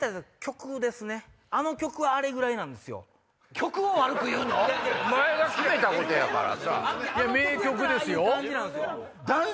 曲を悪く言うの⁉お前が決めたことやからさ。